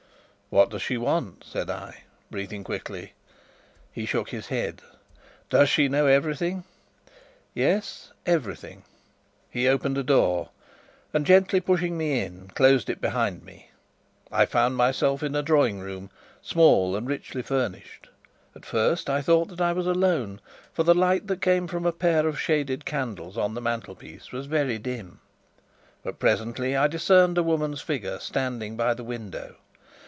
"What does she want?" said I, breathing quickly. He shook his head. "Does she know everything?" "Yes, everything." He opened a door, and gently pushing me in, closed it behind me. I found myself in a drawing room, small and richly furnished. At first I thought that I was alone, for the light that came from a pair of shaded candles on the mantelpiece was very dim. But presently I discerned a woman's figure standing by the window.